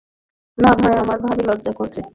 না ভাই, আমার ভারি লজ্জা করছে।